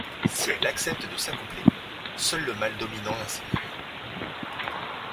Si elle accepte de s'accoupler, seul le mâle dominant l'insémine.